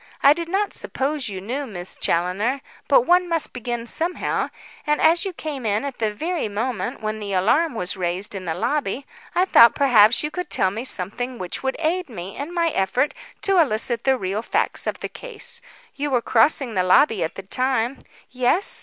I did not suppose you knew Miss Challoner, but one must begin somehow, and as you came in at the very moment when the alarm was raised in the lobby, I thought perhaps you could tell me something which would aid me in my effort to elicit the real facts of the case. You were crossing the lobby at the time " "Yes."